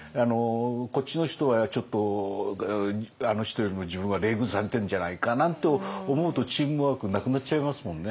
こっちの人はちょっとあの人よりも自分は冷遇されてるんじゃないかなんて思うとチームワークなくなっちゃいますもんね。